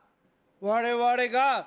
われわれが。